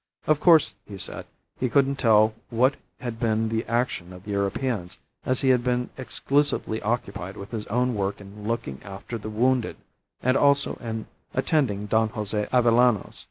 Of course, he said, he couldn't tell what had been the action of the Europeans, as he had been exclusively occupied with his own work in looking after the wounded, and also in attending Don Jose Avellanos.